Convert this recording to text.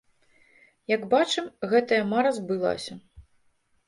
Як бачым, гэтая мара збылася.